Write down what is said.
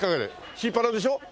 シーパラでしょ？